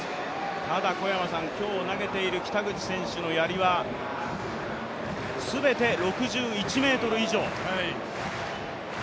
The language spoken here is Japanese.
ただ今日、投げている北口選手のやりは全て６１ｍ以上。